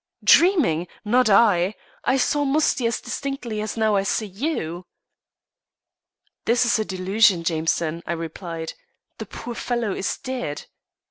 "Dreaming! Not I. I saw Musty as distinctly as I now see you." "This is a delusion, Jameson," I replied. "The poor fellow is dead."